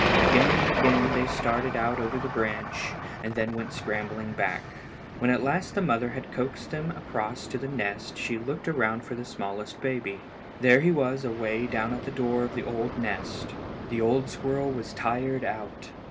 Again and again they started out over the branch, and then went scrambling back. When at last the mother had coaxed them across to the nest she looked around for the smallest baby. There he was away down at the door of the old nest. The old squirrel was tired out.